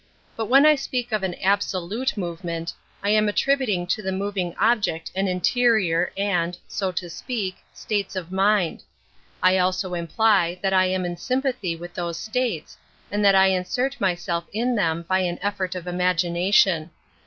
But when I speak of an absolute movement, I am attributing to the moving object an interior and, so to speak, states of mind; I also imply that I am in sympathy with those states, and that I insert myself in them by an effort of imagination.